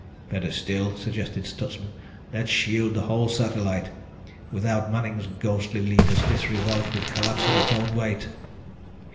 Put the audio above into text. "Better still," suggested Stutsman, "let's shield the whole satellite. Without Manning's ghostly leaders, this revolt would collapse of its own weight."